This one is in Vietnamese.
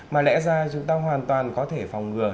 mà lẽ ra chúng ta hoàn toàn có thể phòng ngừa